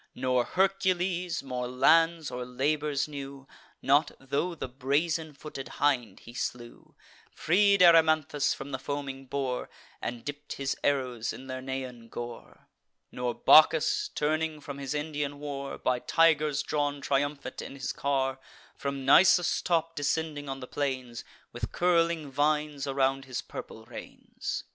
Nor Hercules more lands or labours knew, Not tho' the brazen footed hind he slew, Freed Erymanthus from the foaming boar, And dipp'd his arrows in Lernaean gore; Nor Bacchus, turning from his Indian war, By tigers drawn triumphant in his car, From Nisus' top descending on the plains, With curling vines around his purple reins.